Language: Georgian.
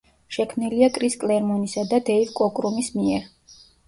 შექმნილია კრის კლერმონისა და დეივ კოკრუმის მიერ.